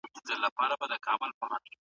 چې هلته کمرې نه وي.